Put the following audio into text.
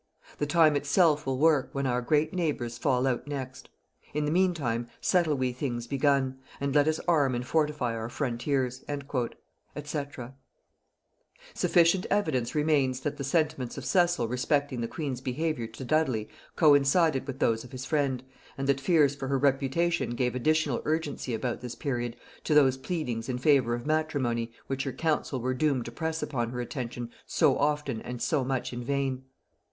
The time itself will work, when our great neighbours fall out next. In the mean time settle we things begun; and let us arm and fortify our frontiers." &c. [Note 46: "Burleigh Papers," by Haynes, p. 212.] Sufficient evidence remains that the sentiments of Cecil respecting the queen's behaviour to Dudley coincided with those of his friend, and that fears for her reputation gave additional urgency about this period to those pleadings in favor of matrimony which her council were doomed to press upon her attention so often and so much in vain.